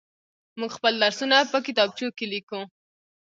موږ خپل درسونه په کتابچو کې ليكو.